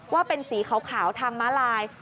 ว่าเป็นสีขาวทางม้าลาย